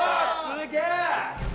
すげえ！